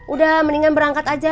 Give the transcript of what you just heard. udah mendingan berangkat aja